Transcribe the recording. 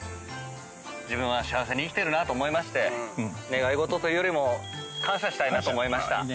自分は幸せに生きてるなと思いまして願い事というよりも感謝したいなと思いました。